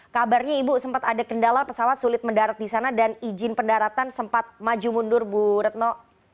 kabarnya ibu sempat ada kendala pesawat sulit mendarat di sana dan izin pendaratan sempat maju mundur bu retno